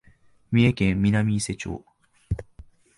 三重県南伊勢町